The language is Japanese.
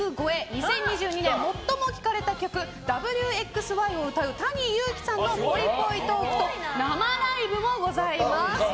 ２０２２年最も聴かれた曲「Ｗ／Ｘ／Ｙ」を歌うＴａｎｉＹｕｕｋｉさんのぽいぽいトークと生ライブもございます。